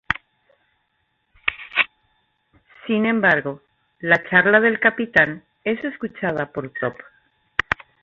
Sin embargo, la charla del Capitán es escuchada por Toph.